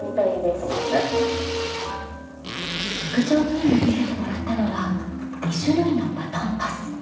陸上部員に見せてもらったのは２種類のバトンパス。